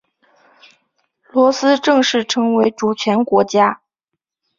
罗斯正式成为主权国家。